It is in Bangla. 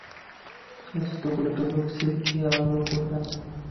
সম্ভবত রক্সি খেয়ালও করবে না।